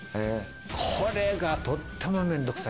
これがとっても面倒くさい。